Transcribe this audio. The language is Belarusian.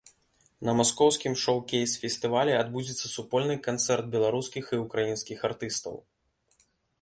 На маскоўскім шоукейс-фестывалі адбудзецца супольны канцэрт беларускіх і ўкраінскіх артыстаў.